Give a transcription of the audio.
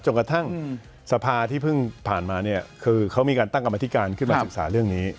กระทั่งสภาที่เพิ่งผ่านมาเนี่ยคือเขามีการตั้งกรรมธิการขึ้นมาศึกษาเรื่องนี้